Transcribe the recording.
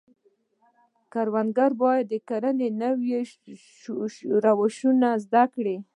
کروندګر باید د کرنې نوي روشونه زده کړي.